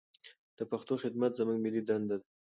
د پښتو خدمت زموږ ملي دنده ده.